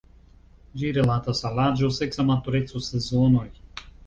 Ĝi rilatas al aĝo, seksa matureco, sezonoj.